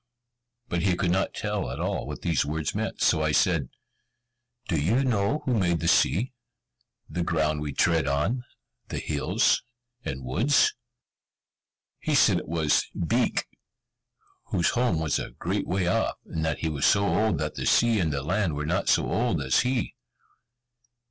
But he could not tell at all what these words meant. So I said, "Do you know who made the sea, the ground we tread on, the hills, and woods?" He said it was Beek, whose home was a great way off, and that he was so old that the sea and the land were not so old as he.